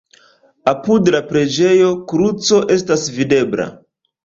Apud la preĝejo kruco estas videbla.